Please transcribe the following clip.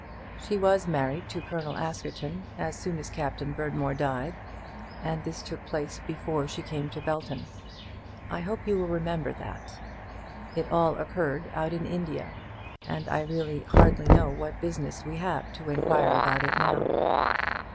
She was married to Colonel Askerton as soon as Captain Berdmore died, and this took place before she came to Belton. I hope you will remember that. It all occurred out in India, and I really hardly know what business we have to inquire about it now.